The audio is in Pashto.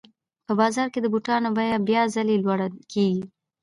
په بازار کې د بوټانو بیه بیا ځلي لوړه کېږي